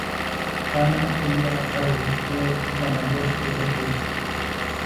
Anna Ella Carrol fue la mayor de ocho hijos.